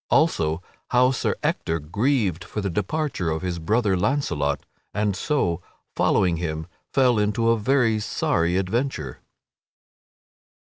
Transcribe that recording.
Also How Sir Ector Grieved for the Departure of His Brother Launcelot and So, Following Him, Fell into a Very Sorry Adventure_.